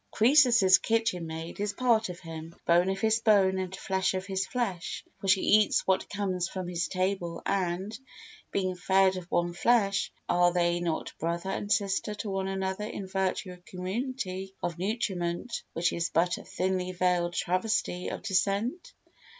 Croesus's kitchen maid is part of him, bone of his bone and flesh of his flesh, for she eats what comes from his table and, being fed of one flesh, are they not brother and sister to one another in virtue of community of nutriment which is but a thinly veiled travesty of descent?